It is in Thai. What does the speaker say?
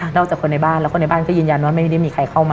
จากคนในบ้านแล้วคนในบ้านก็ยืนยันว่าไม่ได้มีใครเข้ามา